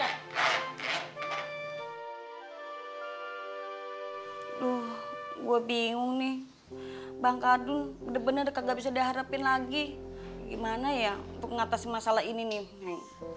aduh gue bingung nih bangka adun bener bener kagak bisa diharapin lagi gimana ya untuk mengatasi masalah ini nih